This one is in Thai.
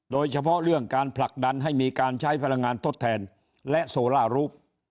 โดยเฉพาะเรื่องการผลักดันให้มีการใช้พลังงานทดแทนและโซล่ารูป